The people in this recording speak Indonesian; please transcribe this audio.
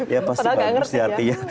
ya pasti bagus ya artinya